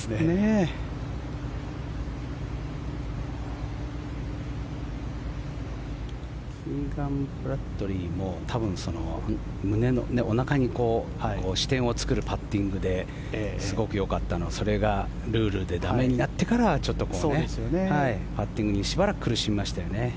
キーガン・ブラッドリーも多分、おなかに支点を作るパッティングですごくよかったのがそれがルールで駄目になってからパッティングにしばらく苦しみましたよね。